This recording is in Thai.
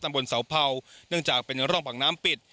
บนเสาเผาเนื่องจากเป็นร่องปากน้ำปิด